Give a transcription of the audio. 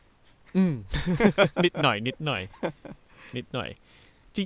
นิดหน่อยนิดหน่อยนิดหน่อย